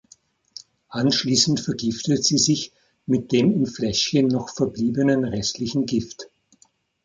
Anschließend vergiftet sie sich mit dem im Fläschchen noch verbliebenen restlichen Gift.